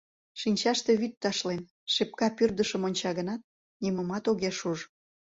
Шинчаште вӱд ташлен; шепка пӱрдышым онча гынат, нимомат огеш уж.